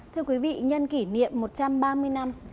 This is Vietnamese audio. thưa quý vị nhân kỷ niệm một trăm ba mươi năm